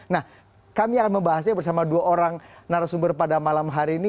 nah kami akan membahasnya bersama dua orang narasumber pada malam hari ini